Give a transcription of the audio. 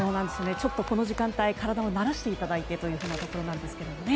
ちょっとこの時間帯に体を慣らしていただいてというところですけどね。